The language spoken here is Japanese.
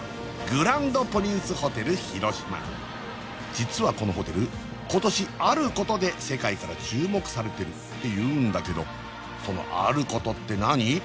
実はこのホテル今年あることで世界から注目されてるっていうんだけどその「あること」って何？